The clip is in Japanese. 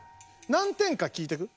何点か聞いてく？